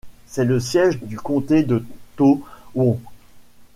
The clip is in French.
C'est le siège du comté de Towong.